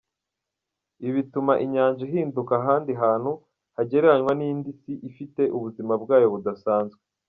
Ibi bituma inyanja ihinduka ahandi hantu hagereranywa n’indi si ifite ubuzima bwayo budasanzwe.